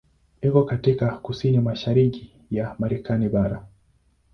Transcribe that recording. Iko katika kusini-mashariki ya Marekani bara.